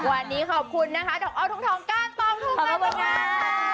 วันนี้ขอบคุณนะคะดอกเอาทุกการตอบทุกมาก